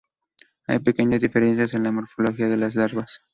Hay pequeñas diferencias en la morfología de las larvas.